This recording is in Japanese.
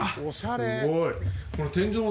すごい。